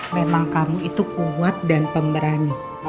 memang kamu itu kuat dan pemberani